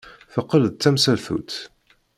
Teqqel d tamsaltut.